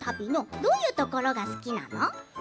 どんなところが好きなの？